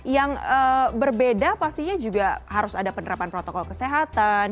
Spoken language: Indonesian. yang berbeda pastinya juga harus ada penerapan protokol kesehatan